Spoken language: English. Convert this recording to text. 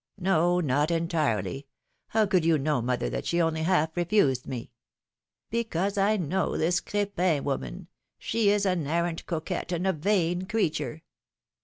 No ! not entirely. How could you know, mother, that she only half refused me?'^ Because I know this Crepin woman ; she is an arrant coquette, and a vain creature.